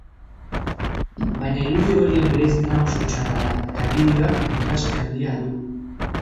Baina irudi horien bereizmena oso txarra da, eta bideoak kontraste handia du.